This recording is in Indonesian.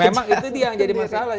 memang itu dia yang jadi masalah